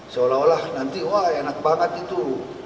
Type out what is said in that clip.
seolah olah nanti wah enak banget itu